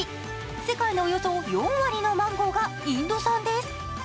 世界のおよそ４割のマンゴーがインド産です。